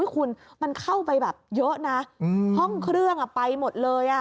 คุณมันเข้าไปแบบเยอะนะห้องเครื่องไปหมดเลย